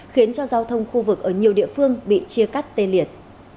khiến cho giao thông khu vực ở nhiều địa phương bị chia cắt tê liệt